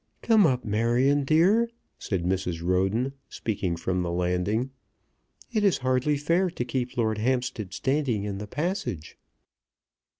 "Come up, Marion dear," said Mrs. Roden, speaking from the landing. "It is hardly fair to keep Lord Hampstead standing in the passage."